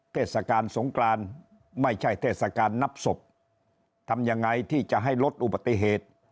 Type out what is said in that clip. เทศกาลสงกรานไม่ใช่เทศกาลนับศพทำยังไงที่จะให้ลดอุบัติเหตุ